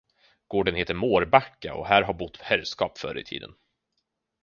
Gården heter Mårbacka, och här har bott herrskap förr i tiden.